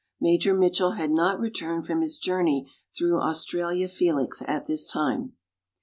(Major Mitchell had not returned from his journey through Australia Felix at this time.)